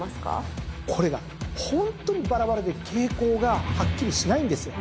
これがホントにバラバラで傾向がはっきりしないんですよ。